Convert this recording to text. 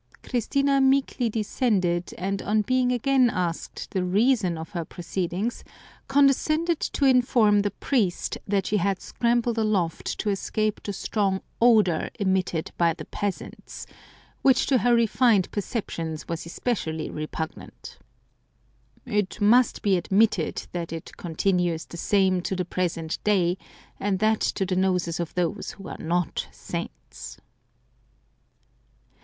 Christina meekly descended, and on being again asked the reason of her proceedings, condescended to inform the priest that she had scrambled aloft to escape the strong odour emitted by the peasants, which to her refined perceptions was especially repugnant. It must be admitted that it continues the same to the present day, and that to the noses of those who are not saints.